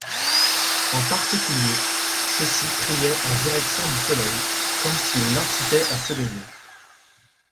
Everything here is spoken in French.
En particulier, ceux-ci priaient en direction du soleil comme s'ils l'incitaient à se lever.